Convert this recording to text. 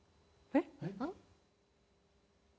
えっ？